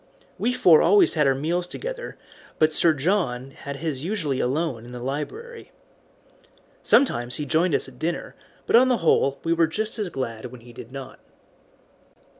We four always had our meals together, but Sir John had his usually alone in the library. Sometimes he joined us at dinner, but on the whole we were just as glad when he did not.